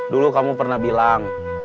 dulu kamu pernah bilang